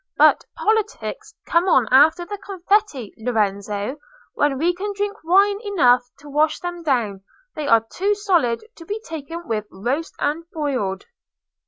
"But politics come on after the confetti, Lorenzo, when we can drink wine enough to wash them down; they are too solid to be taken with roast and boiled."